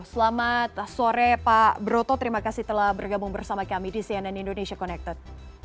selamat sore pak broto terima kasih telah bergabung bersama kami di cnn indonesia connected